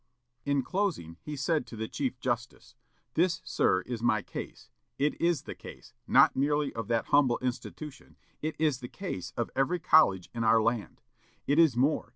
In closing he said to the Chief Justice, "This, sir, is my case. It is the case, not merely of that humble institution, it is the case of every college in our land. It is more.